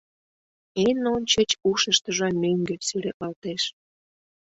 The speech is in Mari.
Эн ончыч ушыштыжо мӧҥгӧ сӱретлалтеш.